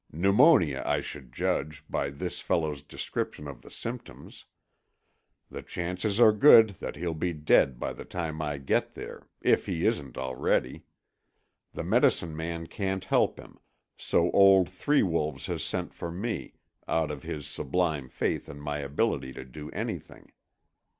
"Pneumonia, I should judge, by this fellow's description of the symptoms. The chances are good that he'll be dead by the time I get there—if he isn't already. The medicine man can't help him, so old Three Wolves has sent for me, out of his sublime faith in my ability to do anything.